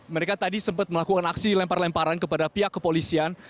mereka tadi sempat melakukan aksi lempar lemparan kepada pihak kepolisian